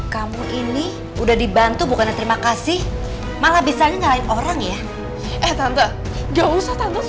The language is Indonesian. kamu ini udah dibantu bukannya terima kasih malah bisa nyalain orang ya eh tante gak usah tante